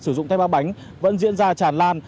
sử dụng tay ba bánh vẫn diễn ra tràn lan